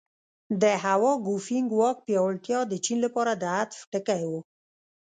د هوا ګوفینګ واک پیاوړتیا د چین لپاره د عطف ټکی و.